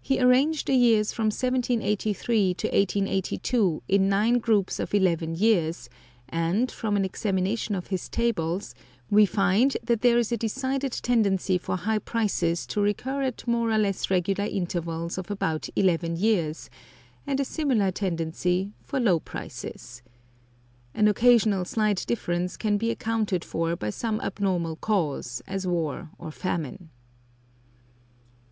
He arranged the years from 1783 to 1882 in nine groups of eleven years; and, from an examination of his tables, we find that there is a decided tendency for high prices to recur at more or less regular intervals of about eleven years, and a similar tendency for low prices. An occasional slight difference can be accounted for by some abnormal cause, as war or famine.